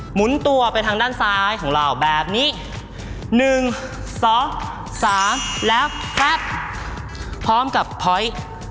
หนุนตัวไปทางด้านซ้ายของเราแบบนี้๑๒๓แล้วแป๊บพร้อมกับพอยต์